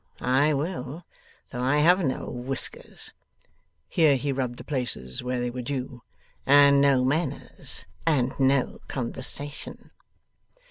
I will, though I have no whiskers,' here he rubbed the places where they were due, 'and no manners, and no conversation!